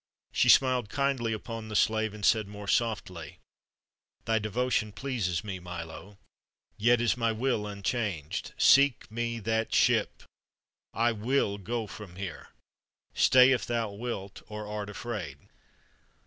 She smiled kindly upon the slave, and said more softly: "Thy devotion pleases me, Milo. Yet is my will unchanged. Seek me that ship. I will go from here. Stay, if thou wilt, or art afraid."